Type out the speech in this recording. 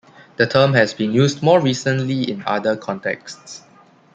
The term has been used more recently in other contexts.